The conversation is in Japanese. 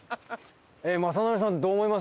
雅紀さんどう思います？